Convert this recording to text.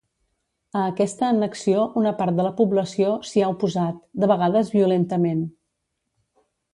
A aquesta annexió una part de la població s'hi ha oposat, de vegades violentament.